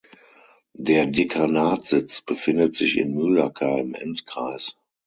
Der Dekanatssitz befindet sich in Mühlacker im Enzkreis.